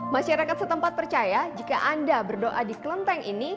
masyarakat setempat percaya jika anda berdoa di kelenteng ini